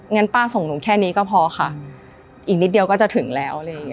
งั้นป้าส่งหนุงแค่นี้ก็พอค่ะอีกนิดเดียวก็จะถึงแล้ว